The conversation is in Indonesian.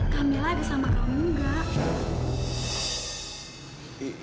kamila ada sama kamu enggak